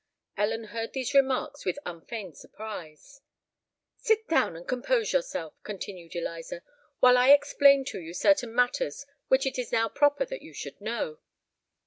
Ellen heard these remarks with unfeigned surprise. "Sit down, and compose yourself," continued Eliza, "while I explain to you certain matters which it is now proper that you should know."